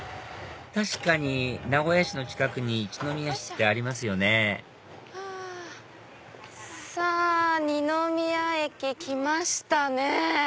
確かに名古屋市の近くに一宮市ってありますよねさぁ二宮駅来ましたね。